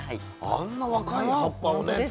あんな若い葉っぱをね土。